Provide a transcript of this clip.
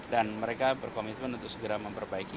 dan mereka berkomitmen untuk segera memperbaiki